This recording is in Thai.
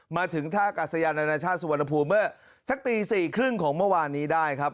มาถึงท่ากาศยานานาชาติสุวรรณภูมิเมื่อสักตี๔๓๐ของเมื่อวานนี้ได้ครับ